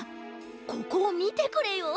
ここをみてくれよ。